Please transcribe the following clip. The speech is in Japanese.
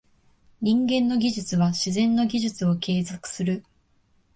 人間の技術は自然の技術を継続する。